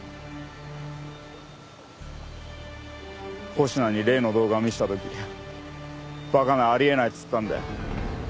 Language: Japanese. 保科に例の動画を見せた時「馬鹿なあり得ない」っつったんだよ。